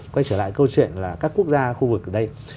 quay trở lại câu chuyện là các quốc gia khu vực ở đây